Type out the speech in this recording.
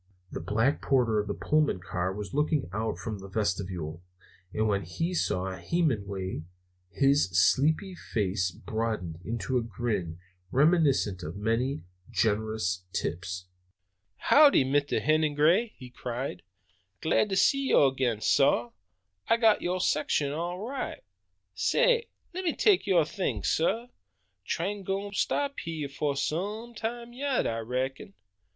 The black porter of the Pullman car was looking out from the vestibule, and when he saw Hemenway his sleepy face broadened into a grin reminiscent of many generous tips. "Howdy, Mr. Hennigray," he cried; "glad to see yo' ag'in, sah! I got yo' section all right, sah! Lemme take yo' things, sah! Train gwine to stop hy'eh fo' some time yet, I reckon."